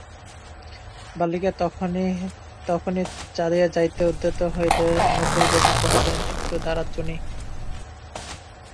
বালিকা তখনি চলিয়া যাইতে উদ্যত হইলে অনুকূলবাবু কহিলেন, একটু দাঁড়া চুনি।